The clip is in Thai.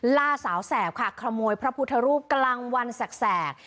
ล่าสาวแสบค่ะขโมยพระพุทธรูปกลางวันแสก